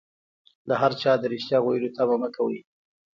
له هر چا د ريښتيا ويلو تمه مکوئ